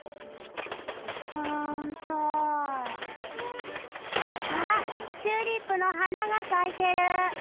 ・うんとあっチューリップのはながさいている。